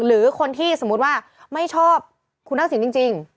หรือคนที่สมมุติว่าไม่ชอบคุณทักษิณจริง